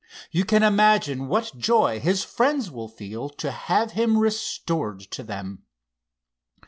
"You can imagine what joy his friends will feel to have him restored to them."